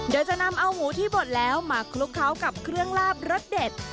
โดยจะนำเอาหมูที่บดแล้วมาคลุกเคล้ากับเครื่องลาบรสเด็ด